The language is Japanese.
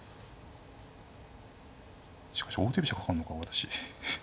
しかし王手飛車かかんのか私。